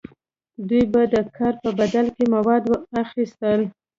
دوی به د کار په بدل کې مواد اخیستل.